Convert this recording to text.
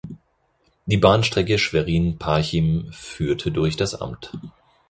Die Bahnstrecke Schwerin–Parchim führte durch das Amt.